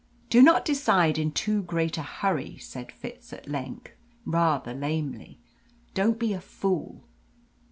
"Do not decide in too great a hurry," said Fitz at length, rather lamely. "Don't be a fool!"